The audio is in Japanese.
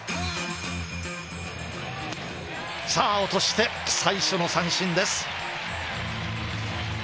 さあ落として最初の三振です。